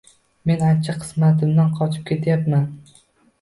Men achchiq qismatimdan qochib ketyapman